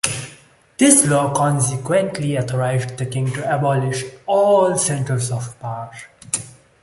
This law consequently authorized the king to abolish all other centers of power.